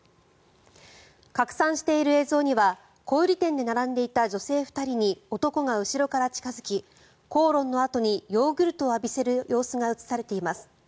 拡散している映像には小売店で並んでいた女性２人に男が後ろから近付き口論のあとに、ヨーグルトを浴びせる様子が映されています。